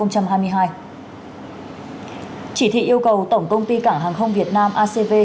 chỉ thị yêu cầu tổng công ty cảng hàng không việt nam acv